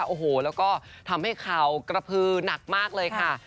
โอ้โหแล้วก็ทำให้ข่าวกระพือหนักมากเลยค่ะ